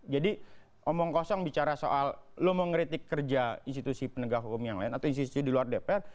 jadi omong kosong bicara soal lo mau kritik kerja institusi penegak hukum yang lain atau institusi di luar dpr